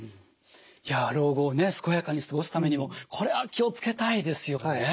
老後を健やかに過ごすためにもこれは気を付けたいですよね。